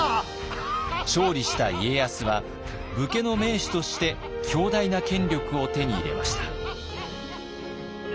勝利した家康は武家の盟主として強大な権力を手に入れました。